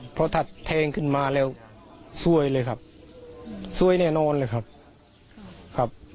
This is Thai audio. เพราะถ้าแทงขึ้นมาแล้วซวยเลยครับซวยแน่นอนเลยครับครับ